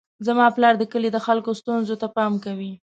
زما پلار د کلي د خلکو ستونزو ته پام کوي.